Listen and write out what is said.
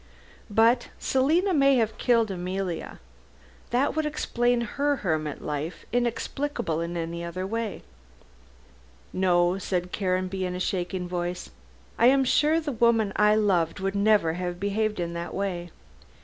"But Selina may have killed Emilia. That would explain her hermit life, inexplicable in any other way." "No," said Caranby in a shaking voice, "I am sure the woman I loved would never have behaved in that way.